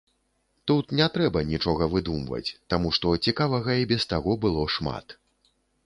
Тут не трэба нічога выдумваць, таму што цікавага і без таго было шмат.